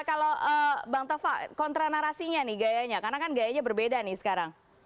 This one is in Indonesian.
kalau bang tova kontra narasinya nih gayanya karena kan gayanya berbeda nih sekarang